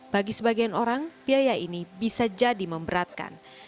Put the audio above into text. bagi sebagian orang biaya ini bisa jadi memberatkan